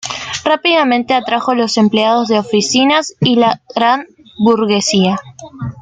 Rápidamente atrajo los empleados de oficinas y la gran burguesía.